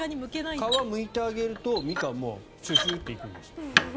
皮をむいてあげるとミカンもシュシュッて行くんですって。